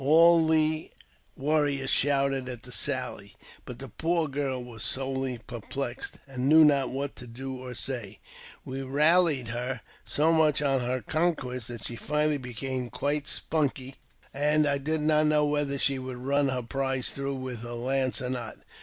' All the warriors shouted at the sally ; but the poor girl was sorely perplexed, and knew not what to do or say. We rallied her so much on her conquest that she finally became quite i spunky, and I did not know whether she would run her prize through with her lance or not.